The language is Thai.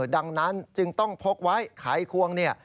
ดังนั้นจึงต้องพกไว้หายควอง